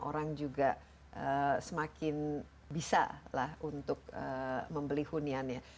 orang juga semakin bisa lah untuk membeli huniannya